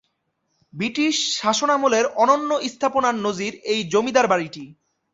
British শাসনামলের অনন্য স্থাপনার নজির এই জমিদার বাড়িটি।